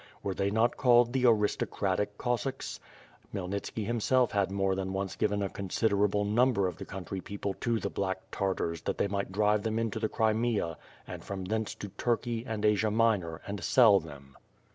Were they not called the aristocratic Cossacks? Khmyelnitski himself had more than once given a consider able number of the country people to the black Tartars that they might drive them into the Crimea and from thence to Turkey and Asia Minor and sell them.